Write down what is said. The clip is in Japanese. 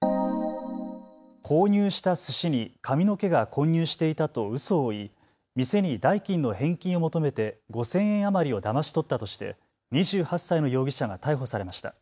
購入したすしに髪の毛が混入していたとうそを言い、店に代金の返金を求めて５０００円余りをだまし取ったとして２８歳の容疑者が逮捕されました。